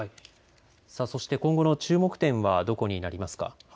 そして今後の注目点はどこになりますか。